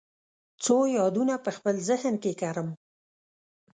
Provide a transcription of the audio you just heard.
څو یادونه په خپل ذهن کې کرم